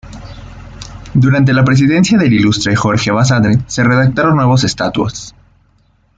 Durante la presidencia del ilustre Jorge Basadre se redactaron nuevos estatutos.